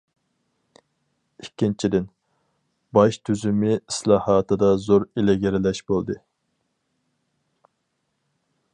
ئىككىنچىدىن، باج تۈزۈمى ئىسلاھاتىدا زور ئىلگىرىلەش بولدى.